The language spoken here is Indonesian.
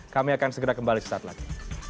kami akan segera kembali sesaat lagi